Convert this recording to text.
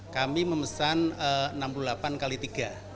kami memesan enam puluh delapan x tiga